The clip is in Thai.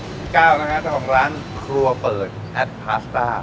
พี่ก้าวนะครับคือของร้านครัวเปิดแอดพาสตาร์